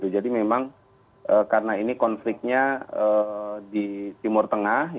jadi memang karena ini konfliknya di timur tengah